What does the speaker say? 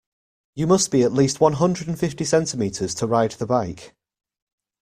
You must be at least one hundred and fifty centimeters to ride the bike.